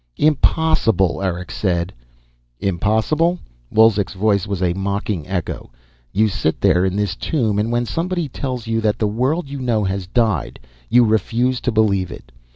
"Impossible!" Eric said. "Impossible?" Wolzek's voice was a mocking echo. "You sit here in this tomb and when somebody tells you that the world you know has died, you refuse to believe it.